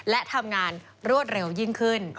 และทำงานรวดเร็วยิ่งขึ้น